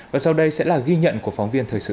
và sau đây sẽ là ghi nhận của phóng viên thời sự